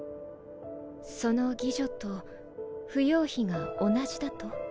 その妓女と芙蓉妃が同じだと？